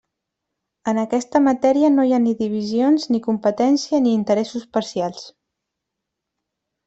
En aquesta matèria no hi ha ni divisions, ni competència, ni interessos parcials.